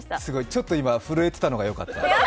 ちょっと今、震えてたのがよかったね。